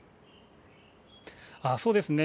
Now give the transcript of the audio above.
そうですね。